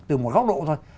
từ một góc độ thôi